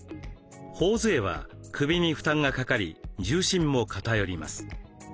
ほおづえは首に負担がかかり重心も偏ります。